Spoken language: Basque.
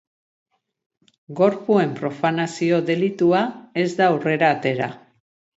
Gorpuen profanazio delitua ez da aurrera atera.